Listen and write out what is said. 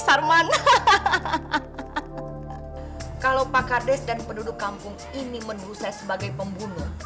sarman hahaha kalau pakardes dan penduduk kampung ini menurut saya sebagai pembunuh